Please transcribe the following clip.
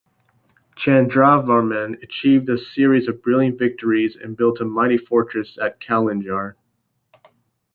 Chandravarman achieved a series of brilliant victories and built a mighty fortress at Kalinjar.